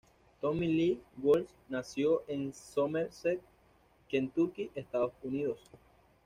Tommy Lee Wallace nació en Somerset, Kentucky, Estados Unidos.